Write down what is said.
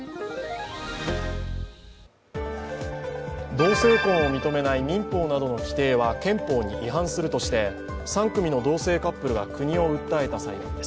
同性婚を認めない民法などの否定は憲法に違反するとして、３組の同性カップルが国を訴えた裁判。